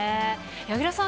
柳楽さん